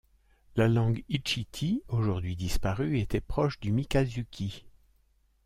La langue hitchiti aujourd'hui disparue était proche du mikasuki.